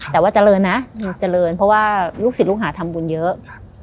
แต่ว่าเจริญนะเจริญเพราะว่าลูกศิษย์ลูกหาทำบุญเยอะ